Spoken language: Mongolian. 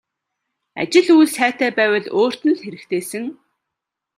Ажил үйл сайтай байвал өөрт нь л хэрэгтэйсэн.